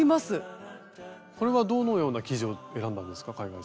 これはどのような生地を選んだんですか海外さん。